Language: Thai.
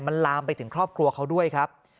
มันลามไปถึงครอบครัวเขาด้วยครับ